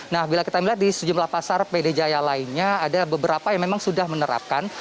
nah bila kita melihat di sejumlah pasar pd jaya lainnya ada beberapa yang memang sudah menerapkan